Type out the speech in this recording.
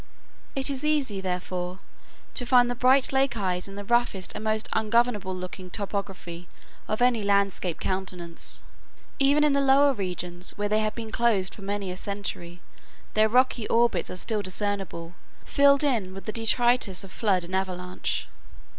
It is easy, therefore, to find the bright lake eyes in the roughest and most ungovernable looking topography of any landscape countenance. Even in the lower regions, where they have been closed for many a century, their rocky orbits are still discernible, filled in with the detritus of flood and avalanche.